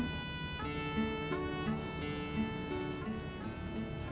kudu dibayar bang